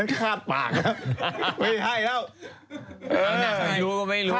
นั่นคาดปากนะไม่ใช่แล้ว